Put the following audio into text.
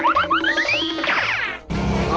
นักแกะ